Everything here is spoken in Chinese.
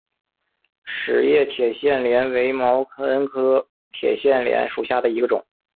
齿叶铁线莲为毛茛科铁线莲属下的一个种。